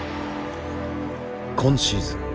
今シーズン